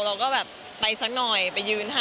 เราก็แบบไปสักหน่อยไปยืนให้